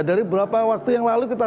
dari beberapa waktu yang lalu kita